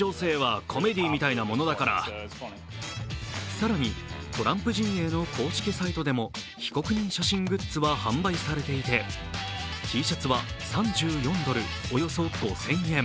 更に、トランプ陣営の公式サイトでも被告人写真グッズは販売されていてＴシャツは３４ドル、およそ５０００円